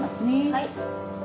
はい。